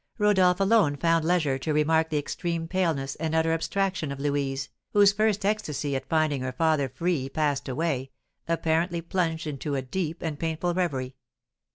Rodolph alone found leisure to remark the extreme paleness and utter abstraction of Louise, whose first ecstasy at finding her father free passed away, apparently plunged in a deep and painful reverie.